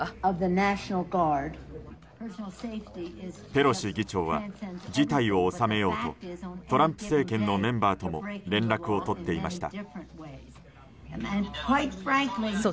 ペロシ議長は事態を収めようとトランプ政権のメンバーとも連絡を取っていました。